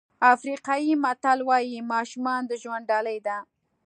افریقایي متل وایي ماشومان د ژوند ډالۍ دي.